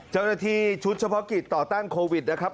เจ้าหน้าที่ชุดเฉพาะกิจต่อต้านโควิดนะครับ